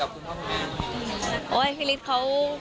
เป็นไงบ้างค่ะพี่ฤทธิ์เขาคุยกับคุณพ่อคุณแม่